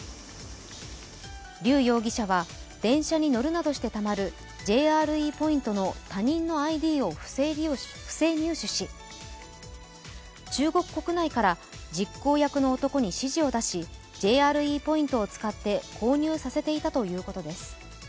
劉容疑者は、電車に乗るなどしてたまるＪＲＥポイントの他人のＩＤを不正入手し、中国国内から実行役の男に指示を出しＪＲＥポイントを使って購入させていたということです。